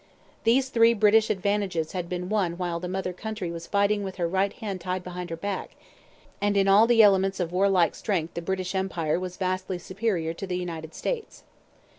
These three British advantages had been won while the mother country was fighting with her right hand tied behind her back; and in all the elements of warlike strength the British Empire was vastly superior to the United States.